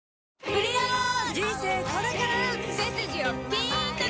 「プリオール」！